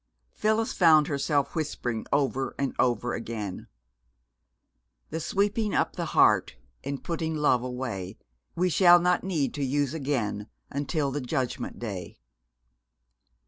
Phyllis found herself whispering over and over again: "The sweeping up the heart And putting love away We shall not need to use again. Until the Judgment Day."